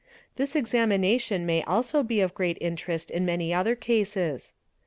This examination may also be of great interest in many other cases.